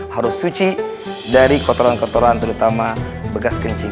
harus suci dari kotoran kotoran terutama bekas kencing